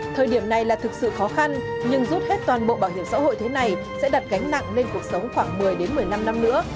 thời điểm này là thực sự khó khăn nhưng rút hết toàn bộ bảo hiểm xã hội thế này sẽ đặt gánh nặng lên cuộc sống khoảng một mươi một mươi năm năm nữa